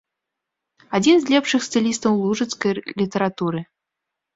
Адзін з лепшых стылістаў лужыцкай літаратуры.